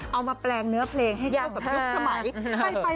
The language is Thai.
มาแปลงเนื้อเพลงให้เข้ากับยุคสมัย